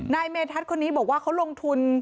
นายเมธัศนคนนี้บอกว่าเขาลงทุน